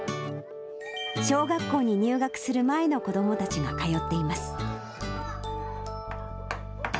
小学校に入学する前の子どもたちが通っています。